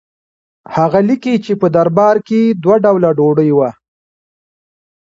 هغه لیکي چې په دربار کې دوه ډوله ډوډۍ وه.